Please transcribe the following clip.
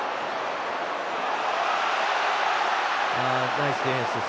ナイスディフェンスです。